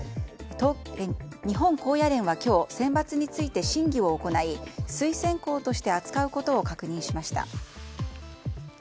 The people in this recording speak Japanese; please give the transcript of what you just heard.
日本高野連は今日センバツに対する審議を行い推薦校として扱うことを確認しました。